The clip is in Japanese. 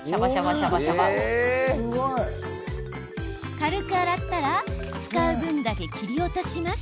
軽く洗ったら、使う分だけ切り落とします。